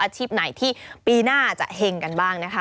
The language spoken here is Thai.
ไหนที่ปีหน้าจะเห็งกันบ้างนะคะ